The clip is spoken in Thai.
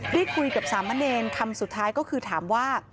ได้คุยกับสามะเนรคำสุดท้ายก็คือถามว่า